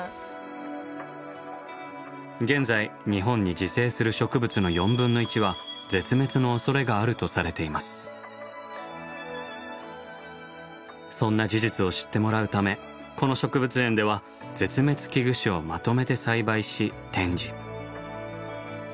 現在日本に自生する植物のそんな事実を知ってもらうためこの植物園では絶滅危惧種をまとめて栽培し展示。